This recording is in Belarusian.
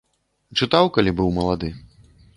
Чытаў, калі быў малады.